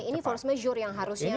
ini force majeure yang harusnya mungkin